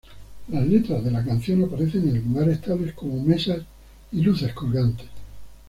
Las letras de la canción aparecen en lugares tales como mesas y luces colgantes.